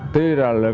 tuy là lực lượng